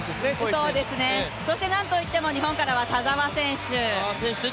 そして何といっても、日本からは田澤選手。